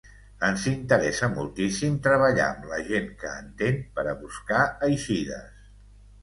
Ens interessa moltíssim treballar amb la gent que entén per a buscar eixides.